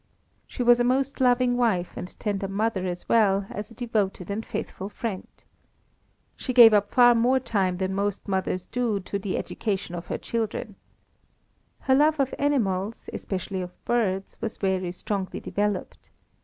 She was a most loving wife and tender mother as well as a devoted and faithful friend. She gave up far more time than most mothers do to the education of her children. Her love of animals, especially of birds, was very strongly developed.